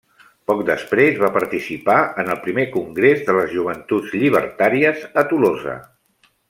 Poc després, va participar en el primer Congrés de les Joventuts Llibertàries a Tolosa.